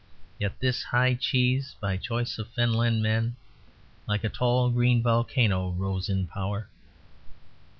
Yet this high cheese, by choice of fenland men, Like a tall green volcano rose in power.